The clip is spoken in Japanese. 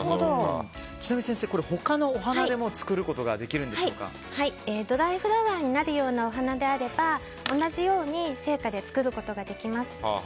ちなみに先生他のお花でも作ることがドライフラワーになるお花であれば同じように生花で作ることができます。